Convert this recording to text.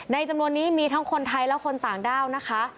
จำนวนนี้มีทั้งคนไทยและคนต่างด้าวนะคะ